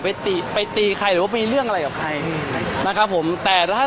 ไปตีไปตีใครหรือว่ามีเรื่องอะไรกับใครนะครับผมแต่ถ้า